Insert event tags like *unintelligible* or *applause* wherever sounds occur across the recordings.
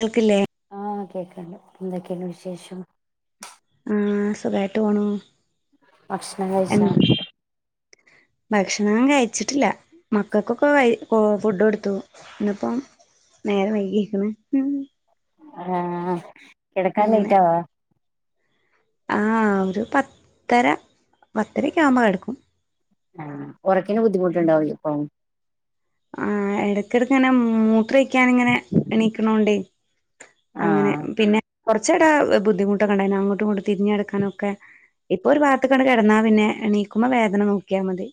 കേൾക്കില്ലേ? ആഹ് കേൾക്കണ്ട് എന്തൊക്കെയാണ് വിശേഷം? ആഹ് സുഖമായിട്ട് പോണു ഭക്ഷണം കഴിച്ചാ എന്താ ഭക്ഷണം കഴിച്ചിട്ടില്ല മക്കൾക്കൊക്കെ വൈ ഫുഡ് കൊടുത്തു. ഇന്നിപ്പം നേരെ വൈകിയേക്ക്ണ് ആഹ് കിടക്കാൻ അങ്ങനെ ലേറ്റവാ? ആഹ് ഒരു പത്തര പത്തരക്കയാവുമ്പോൾ കെടക്കും. ആഹ് ഉറക്കിന് ബുദ്ധിമുട്ട്ണ്ടാവലു ഇപ്പം ആഹ് എടക്കിടക്ക് ഇങ്ങനെ മൂത്രയ്ക്കാന ഇങ്ങനെ എണീക്കണോണ്ടേ അങ്ങനെ ആഹ് പിന്നെ കുറച്ചൂടെ ബുദ്ധിമുട്ടൊക്കണ്ടായിന അങ്ങോട്ടും ഇങ്ങോട്ട് തിരിഞ്ഞെടുക്കാനൊക്കെ ഇപ്പൊ ഒരു ഭാഗത്ത്‌ കണ്ട് കിടന്നാ പിന്നെ എണീക്കുമ്പ വേദന നോക്കിയാൽ മതി.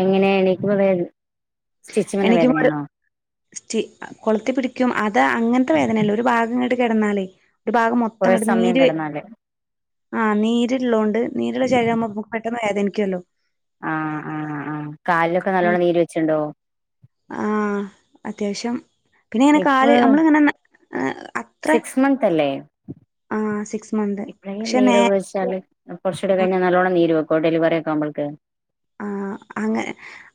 എങ്ങനെ എണീക്കുമ്പോ വേദ എണീക്കുമ്പോ ഒരു സ്റ്റി കൊളുത്തി പിടിക്കും അത് അങ്ങനത്തെ വേദനയല്ലേ ഒരു ഭാഗംങ്ങട് കിടന്നാലേ ഒരു ഭാഗം കൊറേ മൊത്തംങ്ങട്ട് സമയം നീര് കിടന്നാല് ആഹ് നീര്ള്ളോണ്ട് നരൂള്ള ശരീരവുമ്പം മ്മക്ക് പെട്ടെന്ന് വേദനിക്കുല്ലോ? ആഹ് ആഹ് ആഹ് കാലിലൊക്കെ നല്ലോണം നീര് വെച്ചിണ്ടോ? ആഹ് അത്യാവശ്യം. പിന്നെ ഇങ്ങനെ ഇപ്പൊ കാല് നമ്മള ഇങ്ങനെ അത്ര സിക്സ് മന്ത് അല്ലേ ആഹ് സിക്സ് മന്ത് പക്ഷെ നേ ചാല് കുറച്ചൂടെ കഴിഞ്ഞാൽ നല്ലോണം നീര് വെക്കോ ഡെിവറി ഒക്കെ ആവുമ്പൾക്ക്‌ ആഹ് അങ്ങനെ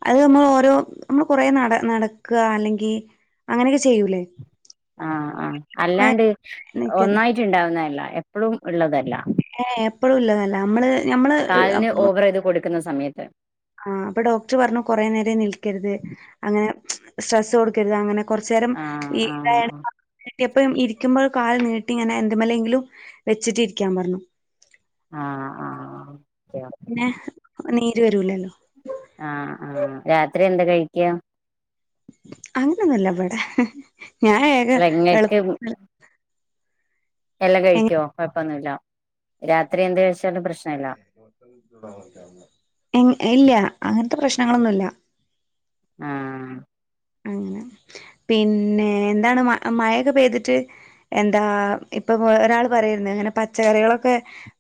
അത് നമ്മൾ ഓരോ നമ്മൾ കൊറേ നട നടക്കുക അല്ലെങ്കി അങ്ങനെയൊക്കെ ചെയ്യൂല്ലേ ആഹ് ആഹ് അല്ലാണ്ട് ഒന്നായിട്ട് ഉണ്ടാവുന്നതല്ല, എപ്പഴും ഉള്ളതല്ല ഏ എപ്പഴും ഇള്ളതല്ല നമ്മള് നമ്മള് ക്കുന്ന സമയത്ത് ആഹ് അപ്പൊ ഡോക്ടർ പറഞ്ഞു കൊറേ നേരം നിൽക്കരുത്, അങ്ങനെ സ്ട്രെസ്സ് കൊടുക്കരുത്, അങ്ങനെ കൊറച്ചു നേരം ആഹ് ഈ ആഹ് ഇതായാണ്ട് കിട്ടിയപ്പം ഇരിക്കുമ്പോൾ കാൽ നീട്ടി ഇങ്ങനെ എന്ത്മ്മലെങ്കിലും വെച്ചിട്ട് ഇരിക്കാൻ പറഞ്ഞു. ആഹ് ആഹ് ഓക്കെ പിന്നെ നീര് വരൂലല്ലോ. ആഹ് ആഹ് രാത്രി എന്താ കഴിക്കാ? അങ്ങനെന്നുല്ലവിടെ ഞൻ ഏഴ് അല്ല ഇങ്ങക്ക് എളുപ്പ എല്ലാം കഴിക്കുവോ കുഴപ്പൊന്നുല്ല രാത്രി എന്ത കൈച്ചാലും പ്രശ്ന ഇല്ല ഇല്ല അങ്ങനത്തെ പ്രശ്നങ്ങളൊന്നുല്ല. ആഹ് അങ്ങനെ പിന്നെ എന്താണ് മ മഴൊക്കെ പെയ്തിട്ട് എന്താ ഇപ്പൊ ഒരാള് പറയരുന്നു ഇങ്ങനെ പച്ചക്കറികളൊക്കെ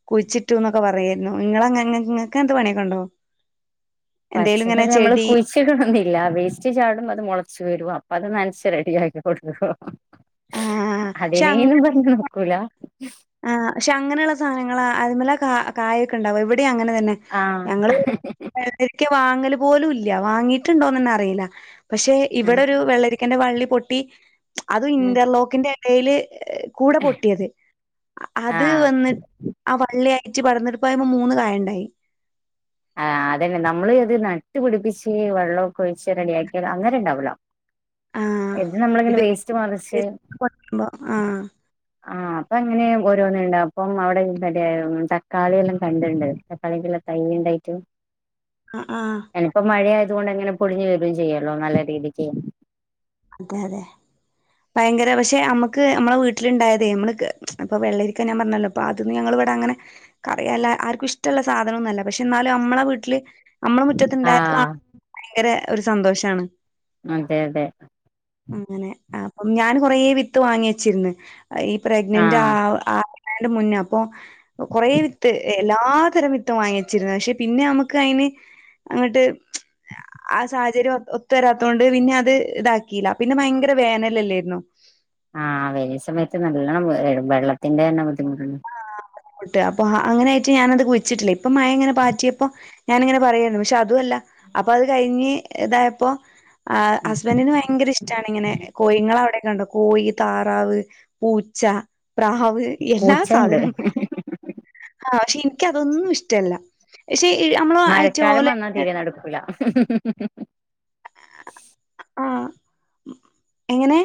കുഴിച്ചിട്ടു ന്നൊക്കെ പറയായിരുന്നു നിങ്ങളെ നിങ്ങക്ക് അങ്ങനത്തെ പണിയൊക്കെ ഉണ്ടോ? എന്തേലും ഇങ്ങനെ പച്ചക്കറി നമ്മള് ചെടി കുയി ച്ചടൊന്നില്ല വേസ്റ്റ് ചാടും അത് മുളച്ചു വരും അപ്പൊ അത് നനച്ച് റെഡിയാക്കി കൊടുക്കും. ആഹ്. അതേന പറഞ്ഞ് നടക്കൂല ആഹ പക്ഷെ അങ്ങനെയുള്ള സാധനങ്ങ അതിമ്മല കായൊക്കെ ഉണ്ടാവ ഇവിടെ അങ്ങനെ തന്നെ ആഹ് ഞങ്ങള് വെള്ളരിക്ക വാങ്ങൽ പോലും ഇല്ല വാങ്ങിയിട്ടുണ്ടോന്ന് തന്നെ അറിയില്ല പക്ഷെ ഉം ഇവിടെ ഒരു വെള്ളരി ന്റെ വള്ളി പൊട്ടി അതും ഉം ഇന്റർലോക്കിന്റെ ഇടൽ കൂടെ പൊട്ടിയത് അത് ആഹ് വന്നിട്ട് ആ വള്ളി അയച്ച് പടർന്നിട്ട ഇപ്പയിമ്മേ മൂന്ന് കായണ്ടായി. ആഹ് അതന്നെ നമ്മള് ഇത് നട്ട് പിടിപ്പിച്ച് വെള്ളൊക്കെ ഒഴിച്ച് റെഡിയാക്കിയാലോ അന്നേര ഉണ്ടാവുല്ലാ ആഹ് ഇത് നമ്മളിങ്ങനെ ഇപ്പൊ വേസ്റ്റ് മറിച്ച് ആഹ് ആഹ് അപ്പൊ അങ്ങനെ ഓരോന്നണ്ട അപ്പം അവിടെ മറ്റേ തക്കാളി എല്ലാം കണ്ടണ്ട് തക്കാളിക്കുള്ള തൈയ്യുണ്ടായിട്ടും ആഹ് ആഹ് ഇനിപ്പോ മഴ ആയത് കൊണ്ടങ്ങനെ പൊടിഞ്ഞു വരൂവേം ചെയ്യല്ലോ നല്ല രീതിക്ക് അതെ അതെ ഭയങ്കര പക്ഷെ അമ്മക്ക് നമ്മളെ വീട്ടിലുണ്ടായതേ നമ്മള്ക്ക് ഇപ്പൊ വെള്ളരി ക്ക് ഞാൻ പറഞ്ഞല്ലോ പാതു ഞങ്ങൾ ഇവിടെങ്ങനെ കറിയല്ല ആർക്കും ഇഷ്ടമുള്ള സാധനമൊന്നുമല്ല പക്ഷെ എന്നാലും നമ്മളെ വീട്ടില് നമ്മള മുറ്റത്തുണ്ടായത് ആഹ് കാണ ഭയങ്കര ഒരു സന്തോഷാണ് അതെ അതെ അങ്ങനെ അപ്പം ഞാന് കൊറേ വിത്ത് വാങ്ങി വെച്ചിരുന്ന് ഈ പ്രഗ്നന്റ് ആഹ് ആവ് ആവു ന്നേനു മുന്നേ അപ്പൊ കൊറേ വിത്ത് എല്ലാത്തരം വിത്തും വാങ്ങി വെച്ചിരുന്നു പക്ഷെ പിന്നെ നമുക്ക് അയിന് അങ്ങിട്ട് ആ സാഹചര്യം ഒത്തു വരാത്തോണ്ട് പിന്നെ അത് ഇതാ ക്കീല്ല പിന്നെ ഭയങ്കര വേനലല്ലായിരുന്നോ ആഹ് വേനൽ സമയത്ത് നല്ലോണം വെള്ളത്തിന്റെ തന്നെ ബുദ്ധിമുട്ട് ട്ട് അപ്പ അങ്ങനെയിട്ട് ഞാനത് കുഴിച്ചിട്ടില്ലേ ഇപ്പൊ മഴ അങ്ങനെ പാറ്റിയപ്പോ ഞാനിങ്ങനെ പറയാരുന്നു പക്ഷെ അതുമല്ല അപ്പൊ അത് കഴിഞ്ഞ് ഇതായപ്പോ ആ ഉം. ഹസ്ബന്റിന് ഭയങ്കര ഇഷ് ട്ടാണിങ്ങനെ കോഴിങ്ങളാവിടെക്കെ ഉണ്ടോ കോഴി താറാവ് പൂച്ച പ്രാ വ് എല്ലാ പൂച്ചയുണ്ട് ആഹ് പക്ഷെ എനിക്ക് അതൊന്നും ഇഷ്ടല്ല പക്ഷേ അമ്മ മഴക്കാലം വന്നാ തീരെ നടുക്കൂല്ലാ ആഹ് എങ്ങനെ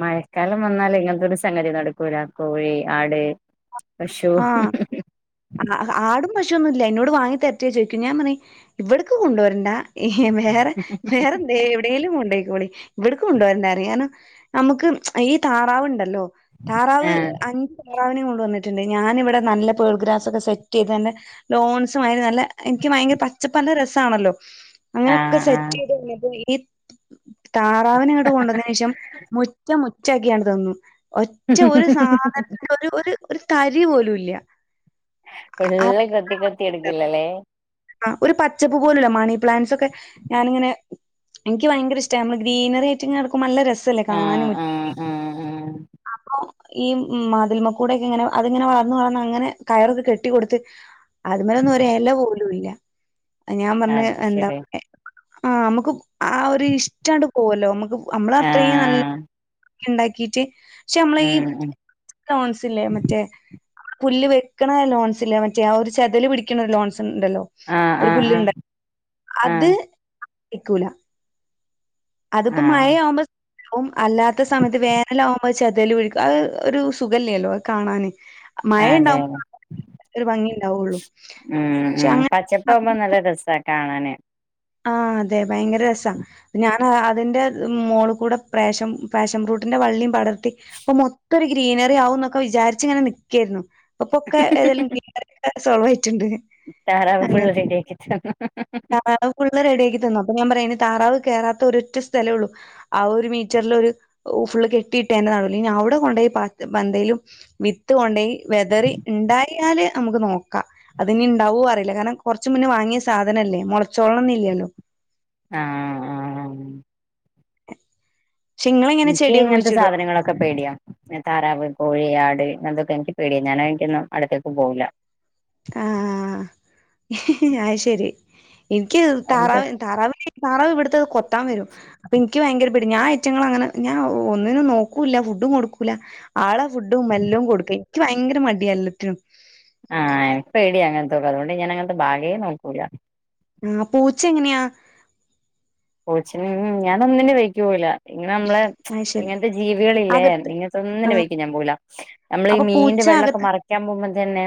മഴക്കാലം വന്നാലെ ഇങ്ങനത്തൊരു സംഗതി നടക്കൂലാ കോഴി ആട് പശു ആഹ് ആ ആടും പശുവൊന്നും ഇല്ല എന്നോട് വാങ്ങി തരട്ടേ ചോദിക്കും ഞാൻ പറ ഇവിടക്ക് കൊണ്ടുവരണ്ടാ വേറെ വേറെ എവിടേലും കൊണ്ട് പോയിക്കോളി എവിടേലും കൊണ്ടോയിക്കോളി ഇവിടക്ക് കൊണ്ടവരണ്ടാറിം കാരണം നമുക്ക് ഈ താറാവുണ്ടല്ലോ താറാവ് ആഹ് അ *unintelligible* താറാവിനെ കൊണ്ട് വന്നിട്ടുണ്ട് ഞാനിവിടെ നല്ല പേൾ ഗ്രാസൊക്കെ സെറ്റ് ചെയ്ത് നല്ല ലോൺസ് മാതിരി നല്ല എനിക്ക് ഭയങ്കര പച്ചപ്പല്ല രസാണല്ലോ അങ്ങനെ ഒക്കെ ആഹ് ആഹ് സെറ്റ് ചെയ്ത് കഴിഞ്ഞപ്പോ ഈ താറാവിനെങ്ങട്ട് കൊണ്ടന്നേനു ശേഷം മുറ്റം മുറ്റാക്കിയാണ്ട് തന്നു ഒറ്റ ഒരു സാധനത്തിന്റെ ഒരു ഒരു ഒരു തരി പോലും ഇല്ല്യ എല്ലാം കൊത്തി കൊത്തി എടുക്കലല്ലേ ആഹ് ഒരു പച്ചപ്പ് പോലുല്ല മണി പ്ലാന്റ്സൊക്കെ ഞാനിങ്ങനെ എനിക്ക് ഭയങ്കര ഇഷ്ടാ നമ്മള് ഗ്രീനറിയായിട്ട്ങ്ങ കെടക്കുമ്പൊ നല്ല ര സല്ലേ കാണാനും ആഹ് *unintelligible* ആഹ് ആഹ് അപ്പൊ ഈ മതിൽമെക്കൂടൊക്കെ ഇങ്ങനെ അതിങ്ങനെ വളർന്ന് വളർന്ന് അങ്ങനെ കയറൊക്കെ കെട്ടി കൊടുത്ത് അതിൽമെലൊന്നും ഒരു എല പോലും മില്ല ഞാൻ ആഹ് പറഞ്ഞ് അത് എന്താ ശരി ആഹ് നമുക്ക് ആ ഒരു ഇഷ്ട്ടണ്ട് പോവ്വല്ലോ നമ്മക്ക് നമ്മളത്രയും നല്ല ആഹ് *unintelligible* ഉണ്ടാക്കീട്ട് പക്ഷെ നമ്മളെ ഈ ഉം ഉം ലോൺസില്ലേ മറ്റേ പുല്ല് വെക്ക്ണ ലോൺസില്ലേ മറ്റേ ആ ഒരു ചെതല് പിടിക്കണൊരു ലോൺസ് ണ്ടല്ലോ ആഹ് ഒരു ആഹ് പുല്ലുണ്ട *inaudible* ആഹ് അത് ആഹ് *inaudible* ക്കൂല്ലാ അതിപ്പം ആഹ് മയാവ്മ്പോ വും അല്ലാത്ത സമയത്ത് വേനലാവുംമ്പോ അത്‌ ചെതല് പിടിക്കും അത് ഒരു സുഖല്ല്യല്ലോ അത്‌ കാണാന് അതെ മഴണ്ടാവുമ്പോ ഒരു ഭംഗിണ്ടാവുള്ളു. ഉം പക്ഷെ ഉം അങ്ങനെ പച്ചപ്പാവ്മ്പോ നല്ല രസാ കാണാന് ആഹ അതെ ഭയങ്കര രസാ പിന്നെ ഞാൻ അതിന്റെ മോള് കൂടെ പ്രാഷൻ ഫാഷൻ ഫ്രൂട്ടിന്റെ വള്ളിയും പടർത്തി അപ്പൊ മൊ ത്തം ഒരു ഗ്രീനറി ആവുംന്നൊക്കെ വിചാരിച്ച് ഇങ്ങനെ നിക്കേരുന്നു ഇപ്പൊ ഒക്കെ ഏതെലും ഗ്രീ സോൾവായിട്ടുണ്ട് താറാവ് അങ്ങനെ. ഫുൾ റെഡി ആക്കി തന്നു താറാവ് ഫുള്ള് റെഡിയാക്കി തന്നു അപ്പ ഞാൻ പറയാ അയിന് താറാവ് കേറാത്ത ഒര് ഒറ്റ സ്ഥലെ ഉള്ളു ആ ഒരു മീറ്ററിലൊരു ഫുള്ള് കെട്ടിയിട്ടേന്റെ നടുല് ഇനി അവിടെ കൊണ്ടോയി പന്തേലും വിത്ത് കൊണ്ടേയി വെതറി ഇണ്ടായാല് നമുക്ക് നോക്കാം അതിനി ഇണ്ടാവോ അറിയില്ല കാരണം കുറച്ച് മുന്നേ വാങ്ങിയ സാധനം അല്ലേ മുളച്ചോളണംന്ന് ഇല്ലല്ലോ ആഹ പക്ഷെ ഇങ്ങളെങ്ങനെ എനിക്ക് ചെടിയൊക്കെ ഇങ്ങനത്തെ കുഴിച്ചിടോ? സാധനങ്ങളൊക്കെ ഒക്കെ പേടിയാ ഇങ്ങനെ താറാവ് കോഴി ആട് ഇതൊക്കെ എനിക്ക് പേടിയാ ഞാൻ അയിന്റൊന്നും അടുത്തേക്ക് പോവൂലാ ആഹ അത് ശരി ഇനിക്ക് അതുകൊണ്ട് താറാവ താറാവിനെ താറവ് ഇവിടുത്തത് കൊത്താൻ വരും അപ്പൊ എനിക്ക് ഭയങ്കര പേട്യ ഞാൻ ഐറ്റങ്ങളെ അങ്ങനെ ഞാൻ ഒന്നിനേം നോക്കൂല്ല ഫുഡും കൊടുക്കൂല ആളെ ഫുഡും എല്ലും കൊടുക്ക ഇക്കി ഭയങ്കര മടിയ എല്ലത്തിനും ആഹ് എൻക്ക് പേട്യ അങ്ങൻത്തൊക്കെ അതുകൊണ്ട് ഞാൻങ്ങനത്തെ ഭാഗെ നോക്കൂല ആഹ പൂച്ച എങ്ങനെയാ പൂച്ചനെ ഉം ഞാൻ ഒന്നിനേം വയ്ക്ക് പോവുല ഇങ്ങനെ നമ്മളെ അത് ശരി ഇങ്ങനത്തെ ജീവ്യാളില്ലേ അകത്ത് ഇങ്ങൻത്തെ ആ ഒന്നിന്റെ വൈക്കും ഞാൻ പോവുലാ നമ്മള് ഈ അപ്പൊ മീന്റെ പൂച്ച വെള്ളക്കെ അകത്ത് മറയ്ക്കാൻ പോവ്മ്പ തന്നെ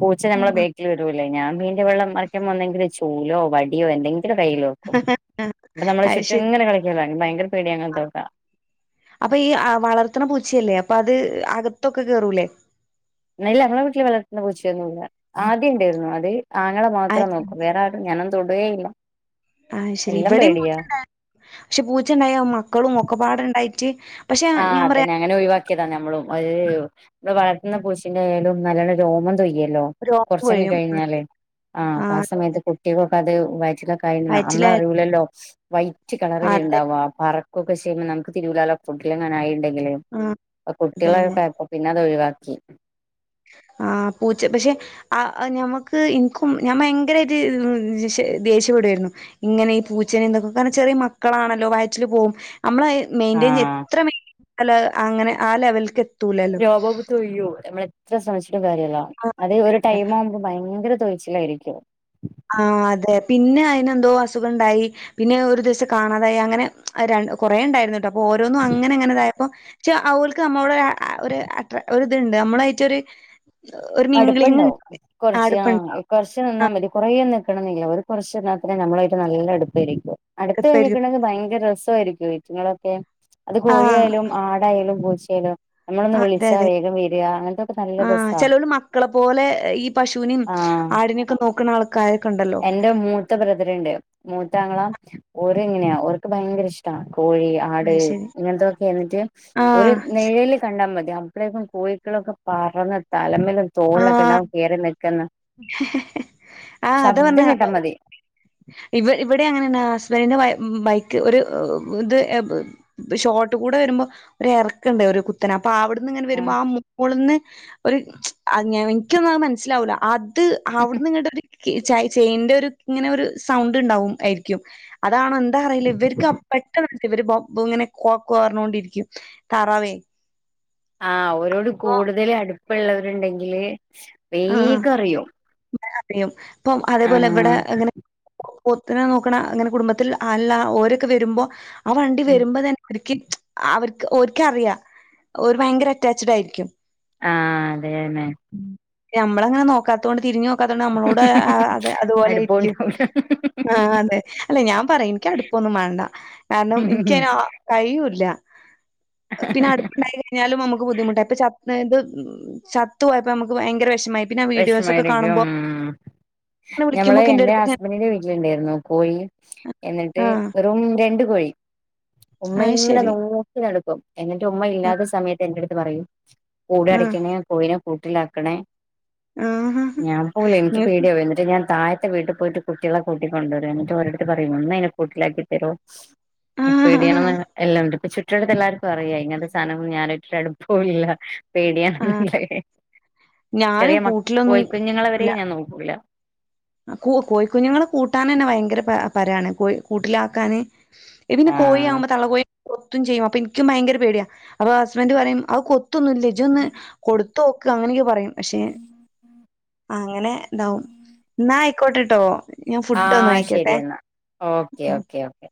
പൂച്ച നമ്മളെ ആ ബാ വരൂല്ലെ ഞാൻ മീൻന്റെ വെള്ളം മറിക്കാൻ പോന്നെങ്കില് ചൂലോ വടിയോ എന്തെങ്കിലും കയ്യില് *unintelligible* ഇപ്പ നമ്മളെ അത് ശരി ചുറ്റുംങ്ങന കളിക്കൂലേ എനിക്ക് ഭയങ്കര പേടിയാ അങ്ങൻത്തൊക്കെ അപ്പൊ ഈ വളർത്ത്ണ പൂച്ച അല്ലേ അപ്പൊ അത് അകത്തൊക്കെ കേറൂലേ ഇല്ല. ഞമ്മെ വീട്ടില് വളർത്തുന്ന പൂച്ചൊന്നു ഇല്ല. ആദ്യം ഇണ്ടേരുന്നു. അത് ആങ്ങങ്ങള അത് മാത്രം നോക്കും. വേറെ ആര് - ഞാനൊനും തൊടേ ഇല്ല. ആഹ് ശെരി. ഇവിടീം പൂച്ചണ്ടായ പക്ഷെ പൂച്ചണ്ടായ മക്കളും ഒക്കെപാടുണ്ടായിട്ട് പക്ഷെ ആഹ് ഞാൻ പറയാ അതെന്നെ. അങ്ങനെ ഒഴിവാക്കിയതാ നമ്മളും ഒര് ഇന്ന് പുച്ചന്റെ ആയാലും നല്ലണ രോമം തൊയ്യല്ലോ രോമം കൊറച്ചങ്‌ കൊഴിയും കഴിഞ്ഞാലേ. ആ അപ്പൊ ആ സമയത്ത് കുട്ടികൾൊക്കെ അത് വറ്റിലൊ ക വയറ്റിലായാലും അതെ നമ്മളറിയൂല്ലല്ലോ വൈറ്റ് കളറിൽ വയറ്റിലായാലും ഉണ്ടാവാ പറക്കൊക്കെ ചെയ്യുമ്പ നമുക്ക് തിരുലാലോ ഫുഡിലങ്ങനെ ആയിണ്ടെങ്കില്. ആഹ് അപ്പൊ അതെ അതെ കുട്ട്യേളെക്കായപ്പോ പിന്നെ അത് ഒഴിവാക്കി. ആ പൂച്ച പക്ഷെ ആ ഞമ്മക്ക് എനിക്കും ഞമ്മ ഭയങ്കരായ്ട്ട് ദേഷ്യപ്പെടേര്ന്നു. ഇങ്ങനെ ഈ പൂച്ചനിം ഇന്തൊക്കെ. കാരണം ചെറിയ മക്കളാണല്ലോ വയറ്റില് പോകും. നമ്മളഹ് മെയിന്റയിൻ ആഹ് എത്ര മെയിന്റൻ അങ്ങനെ ആ ലെവൽക്ക്. എത്തൂലല്ലോ രോമം തൊയ്യോ നമ്മള് എത്ര ശ്രമിച്ചിട്ടും കാര്യല്ല. അത് ഒരു ആഹ് ടൈം ആവുമ്പം ഭയങ്കര തോയ് ലായിരിക്കും. ആഹ് അതെ. പിന്നെ അയ്നെന്തോ അസുഖംണ്ടായി. പിന്നെ ഒരു ദിവസം കാണാതായി. അങ്ങനെ കൊറേ ഉണ്ടായിരുന്നുട്ടോ. അപ്പൊ ഓരോന്നും അങ്ങനെ അങ്ങനെ ഇതായപ്പം. പക്ഷ ഓൽക്ക് നമ്മള. ടെ അ ഒര് ഇതുണ്ട് നമ്മളയിട്ട ഒരു ഒരു മിഗ്ലിങ് ആട്പ്പണ്ടാവും. കുറച്ച് നിന്നാൽ മതി. കൊറേ നൽക്കണ എന്നില്ല. ഒരു കൊറച്ച് നിന്നാത്രെ നമ്മളായിട്ട് നല്ല അടുപ്പായിരിക്കും. അടുത്ത് അടുപ്പായിരിക്കും കഴിഞ്ഞിക്കുണ്ടെങ്കിൽ ഭയങ്കര രസ വായിരിക്കും. ഇറ്റങ്ങളൊക്കെ അത് ആഹ് കോഴിയായാലും ആ യാലും പൂച്ചായാലും നമ്മളൊന്ന് ആഹ് അതെ വിളിച്ചാ അതെ വേഗം വര. അങ്ങൻ ത്തൊക്കെ നല്ല രസ. ആഹ് ചെലോല് മക്കളെ പോലെ ഈ പശുവിനും ആഹ് ആടിനെയൊക്കെ നോക്ക്ണ ആൾക്കാരൊക്കെ ഇണ്ടല്ലോ. ഇന്റെ മൂത്ത ബ്രദറ്ണ്ട്. മൂത്താംങ്ങള ഓര് ഇങ്ങനെയാ. ഓർക്ക് ഭയങ്കര ഇഷ്ട കോഴി *unintelligible* ആട്. അഹ് ശരി ഇങ്ങൻ ത്തൊക്കെ ഇന്നിട്ട് ഒര് ആഹ് നിയല് കണ്ടാ മതി. അപ്പളേക്കും കോഴിക്കളൊക്കെ പറന്ന് തലമെലും തോളിലൊക്കെ ആഹ് ഇണ്ടാവും കേറി നിക്ക്ന്ന്. ശബ്ദം കേട്ടാ മതി. ഇവ് ഇവടെ അങ്ങനെന്നാ ഹസ്ബെന്റിൻ്റെ ബെ ബെയ്യ്ക്ക് ഒര് ഇത്. ഷോട്ട് കൂടെ വെര്മ്പോ ഒര് എറക്കണ്ടേ ഒരു കു ത്തനെ. അപ്പൊ അവട്ന്ന് ഇങ്ങനെ ഉം വെരുമ്പ ആഹ് മോളിന്ന് ഒര് എനിക്കൊന്നും അത് മനസ്സിലാവൂല അ ത് അവ്ട്ന്ന് ഇങ്ങട്ട ഒര് ചാ ചെയിന്റെ ഒര് ഇങ്ങനെ ഒര് സൗണ്ട് ഇണ്ടാവും ആരിക്കും. അതാണോ എന്താ അറില്ലാ. ഇവര്ക്ക് പെട്ടെന്ന് ഇവര് ഇങ്ങനെ *unintelligible* ഇരിക്കും താറാവെ. ആഹ്. ഒരോട് കൂടുതല് അട്പ്പള്ളവര് ഇണ്ടെങ്കില് വേഗം അറിയും. റിയും. ഇപ്പം അതേപോലെ ഇവടെ ആഹ് ഇങ്ങനെ പൊത്തിനെ നോക്ക്ണാ അങ്ങനെ കുടുംബത്തി അല്ല ഓരൊക്കെ വെരുമ്പം ആഹ് വണ്ടി വെര്മ്പ തെ ഓരിക്ക് അവര്ക്ക് ഓരിക്ക് അറിയാ. ഓര് പയങ്കര അറ്റാച്ചഡ് ആരിക്കും ആഹ് അത് ന്നെ നമ്മള് അങ്ങനെ നോക്കാത്തൊണ്ട് തിരിഞ്ഞ് നോക്കാത്തോണ്ട് നമ്മളോട് അതേ അത് പോലെ ആയിരിക്കും. അടുപ്പണ്ടാവൂല ആഹ്. അതെ. അല്ലെ ഞാൻ പറയും എന്ക്ക് അട്പ്പൊന്നും മാണ്ടാ. കാര്ണം എനിക്ക്യയ്നെ ആ കയിയൂല്ല. പിന്നെ അടുപ്പോണ്ടായി കയിഞ്ഞാലും നമ്മക്ക് ബുദ്ധിമുട്ടാ ഇപ്പാ ച അതായത് ചത്ത് പോയപ്പ ഞമ്മക്ക് ഭയങ്കര വെഷമായി. വെഷമായിരിക്ക്യും. അങ്ങനെ ഞമ്മള് വിളിക്കുമ്പോക്കെ എന്റെ എന്റെടുത്ത് ഹസ്ബെൻിന്റെ വീട്ടില് ഇണ്ടായ്ര്ന്നു കോയി. എന്നിട്ട് ആഹ് വെറും രണ്ട് കോയി. ഉമ്മ അത് ഇങ്ങനെ ശരി നോക്ക *unintelligible* ടക്കും എന്നിട്ട് ഉമ്മാ ഇല്ലാത്ത സമയത്ത് എന്റെട്ത്ത് പറയും കൂട് ആഹ് അടക്ക്യണെ കോയിന കൂട്ടിലാക്കണേ ആഹ് ഞാൻ പോവില്ലാ എനിക്ക് പേടിയാവു എന്നി ട്ട് ഞാൻ തായത്തെ വീട്ടി പോയിട്ട് കുട്ടികളെ കൂട്ടി കൊണ്ട് വെരും എന്നിട്ട് ഓരട്ത്ത് പറയും ഒന്നയ്നെ കൂട്ടിലാക്കി തെരുവോ എനക്ക് ആഹ് പേടിയാണോന്ന് എല്ലാവരും *unintelligible* ട്ട്യൾക്കെല്ലാർക്കും അറിയാ ഇങ്ങനത്തെ സാധനൊം ഞാനു ആയിറ്റൊരട്പ്പോം ഇല്ല ആഹ് പേടിയാണ്ന്ന്ള്ളത്. ഞാനും ചെറിയ മ കൂട്ടിലൊന്നും കോയിക്കുഞ്ഞുങ്ങളെ വരെ ഞാൻ നോക്കൂല. ആഹ് കു കോയിക്കുഞ്ഞുങ്ങളെ കൂട്ടാനെ ന്നെ ഭയങ്കര പ പരാണ് പോയ് കൂട്ടിലാക്കാന് ഇതിന് കോയി ആഹ് ആമ്പോ തള്ളക്കോയി കൊത്തും ചെയ്യും. അപ്പൊ എനിക്കും ഭയങ്കര പേടിയാ അപ്പൊ ഹസ്ബെന്റ് പറയും അത് കൊത്തൊന്നും ഇല്ല ഇജ്ജൊന്ന് കൊട് ത്തോക്ക് അങ്ങനെയൊക്കെ പറയും. പക്ഷെ അങ്ങനെ താവും ന്നാ ആയിക്കോട്ടട്ടോ ഞാൻ ഫുഡ്ഡൊന്ന് കയിക്കട്ടെ. Okay okay